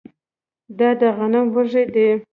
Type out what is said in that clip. دا د غنم وږی دی